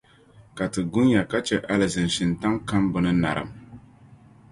Ka Ti gunya ka chɛ alizin’ shintaŋ kam bɛ ni narim.